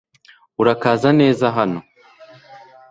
Urakaza neza hano